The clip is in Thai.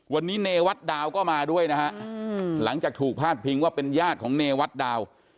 วันนี้เนวัดดาวก็มาด้วยนะฮะหลังจากถูกพาดพิงว่าเป็นญาติของเนวัดดาว